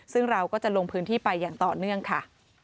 ซึ่งเราก็จะลงพื้นที่ไปอย่างต่อเนื่องค่ะ